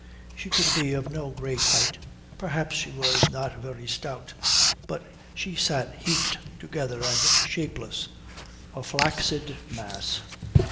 She could be of no great height, perhaps she was not very stout, but she sat heaped together and shapeless, a flaccid mass.